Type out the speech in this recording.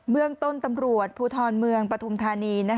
เมืองต้นตำรวจภูทรเมืองปฐุมธานี